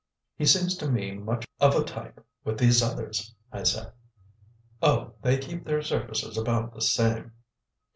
"He seems to me much of a type with these others," I said. "Oh, they keep their surfaces about the same."